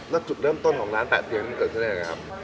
แล้วจุดเริ่มต้นของร้านแปะเตียงมันเกิดที่ไหนครับ